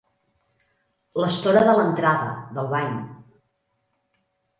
L'estora de l'entrada, del bany.